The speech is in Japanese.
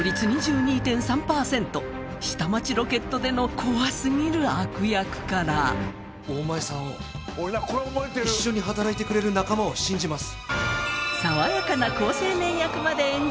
『下町ロケット』でのから大前さんを一緒に働いてくれる仲間を信じます。